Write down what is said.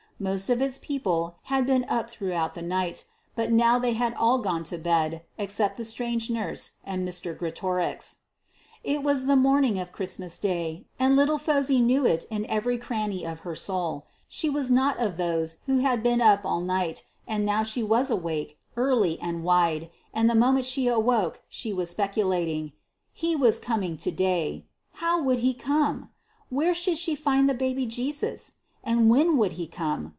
Most of its people had been up throughout the night, but now they had all gone to bed except the strange nurse and Mr. Greatorex. It was the morning of Christmas Day, and little Phosy knew it in every cranny of her soul. She was not of those who had been up all night, and now she was awake, early and wide, and the moment she awoke she was speculating: He was coming to day how would he come? Where should she find the baby Jesus? And when would he come?